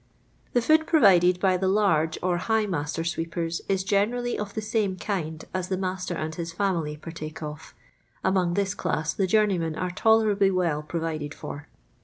The food provided by the large or high master sweepers is generally of the same kind as the master and his family partake of; among this class the journeymen are tolerably well provided for.